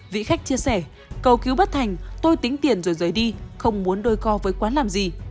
vị khách chia sẻ cầu cứu bất thành tôi tính tiền rồi rời đi không muốn đôi co với quán làm gì